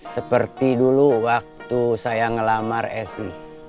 seperti dulu waktu saya ngelamar esi